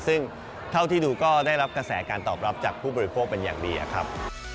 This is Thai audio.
ซึ่งเท่าที่ดูก็ได้รับกระแสการตอบรับจากผู้บริโภคเป็นอย่างดีครับ